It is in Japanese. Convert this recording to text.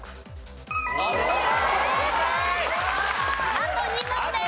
あと２問です。